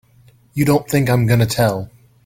You don't think I'm gonna tell!